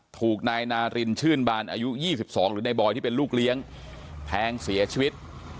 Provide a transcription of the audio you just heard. ถูกนายนารินชื่นบานอายุ๒๒หรือในบอยที่เป็นลูกเลี้ยงแทงเสียชีวิต